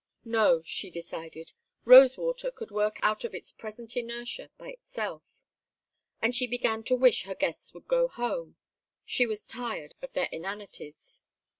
No, she decided, Rosewater could work out of its present inertia by itself, and she began to wish her guests would go home; she was tired of their inanities.